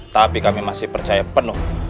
tapi kami masih percaya penuh